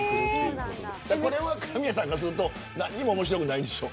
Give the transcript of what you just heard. これは神谷さんからすると何も面白くないでしょ。